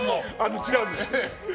違うんですよ。